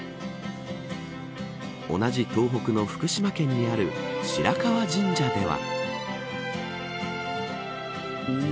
同じ東北の福島県にある白河神社では。